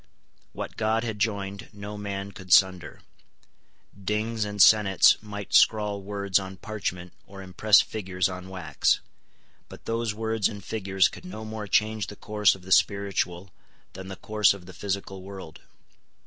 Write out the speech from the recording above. What God had joined no man could sunder. Dings and senates might scrawl words on parchment or impress figures on wax; but those words and figures could no more change the course of the spiritual than the course of the physical world.